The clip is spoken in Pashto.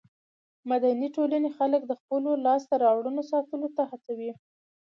مدني ټولنې خلک د خپلو لاسته راوړنو ساتلو ته هڅوي.